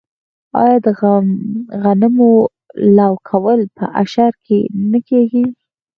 آیا د غنمو لو کول په اشر نه کیږي؟